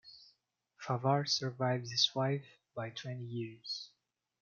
Favart survived his wife by twenty years.